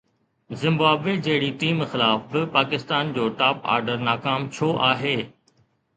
Zimbabwe جهڙي team خلاف به پاڪستان جو ٽاپ آرڊر ناڪام ڇو آهي؟